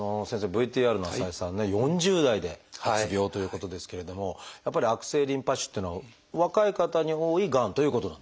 ＶＴＲの浅井さんね４０代で発病ということですけれどもやっぱり悪性リンパ腫っていうのは若い方に多いがんということなんでしょうか？